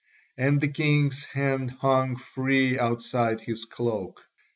And the king's hands hung free outside his cloak.